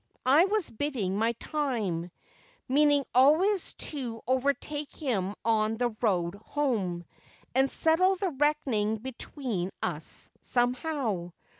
I was biding my time ; meaning always to overtake him on the road home, and settle the reckoning between us— somehow.